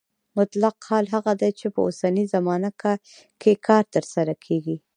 مطلق حال هغه دی چې په اوسنۍ زمانه کې کار ترسره کیږي.